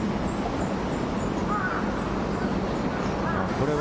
これは。